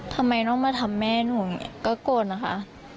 ทำไมต้องมาทำแม่หนูอย่างนี้ก็โกรธนะคะ